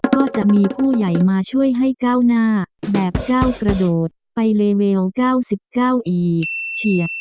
ก็จะมีผู้ใหญ่มาช่วยให้ก้าวหน้าแบบก้าวกระโดดไปเลเวล๙๙อีกเฉียบ